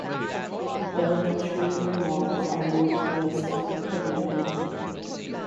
The felled tree or logs are moved from the stump to the landing.